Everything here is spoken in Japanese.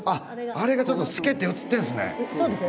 あれがちょっと透けて写ってるんすね。